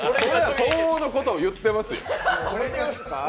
相応のこと言ってますよ。